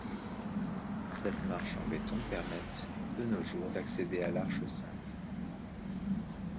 Sept marches en béton permettent de nos jours d'accéder à l'Arche sainte.